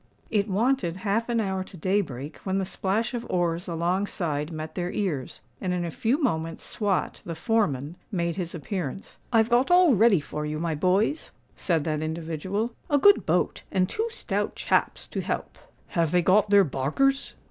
It wanted half an hour to day break, when the splash of oars alongside met their ears; and in a few moments Swot, the foreman, made his appearance. "I've got all ready for you, my boys," said that individual; "a good boat, and two stout chaps to help." "Have they got their barkers?"